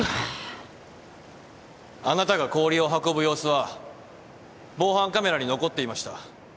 あなたが氷を運ぶ様子は防犯カメラに残っていました。